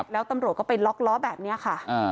แล้วตำรวจก็ไปล็อกล้อแบบนี้ค่ะ